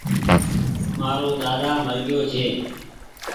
مآرو ۮاۮا مر گيوٚ